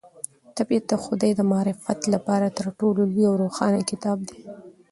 طبیعت د خدای د معرفت لپاره تر ټولو لوی او روښانه کتاب دی.